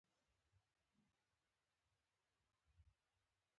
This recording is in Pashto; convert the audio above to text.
زما پښه مخ په روغېدو وه خو پوښتنې پیل شوې